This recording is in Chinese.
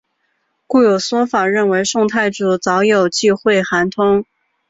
故有说法认为宋太祖早就忌讳韩通。